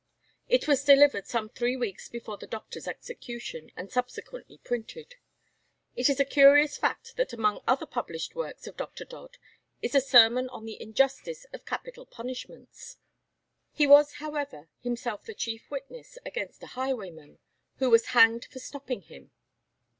It was delivered some three weeks before the Doctor's execution, and subsequently printed. It is a curious fact that among other published works of Dr. Dodd, is a sermon on the injustice of capital punishments. He was, however, himself the chief witness against a highwayman, who was hanged for stopping him.